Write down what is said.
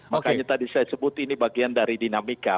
makanya tadi saya sebut ini bagian dari dinamika